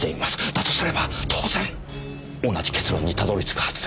だとすれば当然同じ結論にたどり着くはずです。